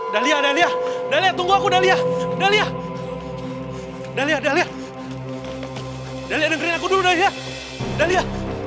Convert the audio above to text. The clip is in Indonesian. dalia dalia dalia tunggu aku dalia dalia dalia dalia dalia dalia